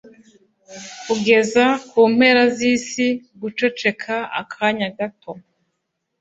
kugeza ku mpera z’isi guceceka akanya gato